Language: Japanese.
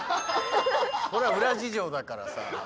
これは裏事情だからさ。